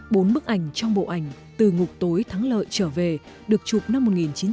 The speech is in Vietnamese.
bốn bức ảnh trong bộ ảnh từ ngục tối thắng lợi trở về được chụp năm một nghìn chín trăm bảy mươi